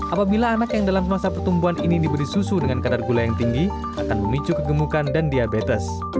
apabila anak yang dalam masa pertumbuhan ini diberi susu dengan kadar gula yang tinggi akan memicu kegemukan dan diabetes